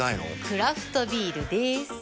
クラフトビールでーす。